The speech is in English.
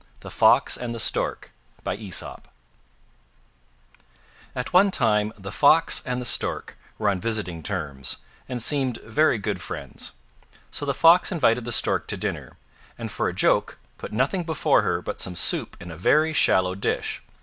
THE FOX AND THE STORK At one time the Fox and the Stork were on visiting terms and seemed very good friends. So the Fox invited the Stork to dinner, and for a joke put nothing before her but some soup in a very shallow dish.